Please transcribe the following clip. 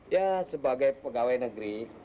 ya sebagai pegawai negeri